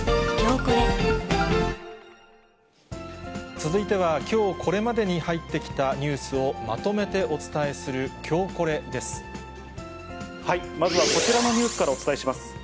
続いては、きょうこれまでに入ってきたニュースをまとめてお伝えするきょうまずはこちらのニュースからお伝えします。